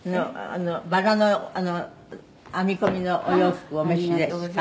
バラの編み込みのお洋服をお召しで可愛い。